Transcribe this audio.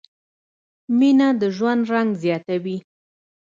مینه د ژوند رنګ زیاتوي.